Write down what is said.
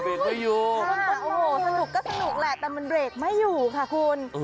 เบรกไม่อยู่ค่ะโอ้โฮสนุกก็สนุกแหละแต่มันเบรกไม่อยู่ค่ะคุณ